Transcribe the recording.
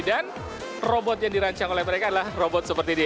dan robot yang dirancang oleh mereka adalah robot seperti ini